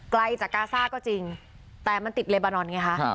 ไกลจากกาซ่าก็จริงแต่มันติดเลบานอนไงคะ